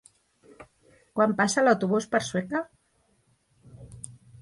Quan passa l'autobús per Sueca?